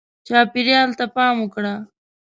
چاپېریال ته پام وکړه.